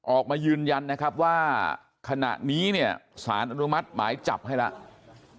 ออกมายืนยันนะครับว่าขณะนี้เนี่ยสารอนุมัติหมายจับให้แล้ว